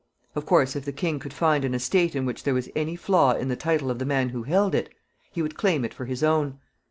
Of course, if the king could find an estate in which there was any flaw in the title of the man who held it, he would claim it for his own.